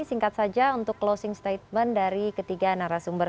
singkat saja untuk closing statement dari ketiga narasumber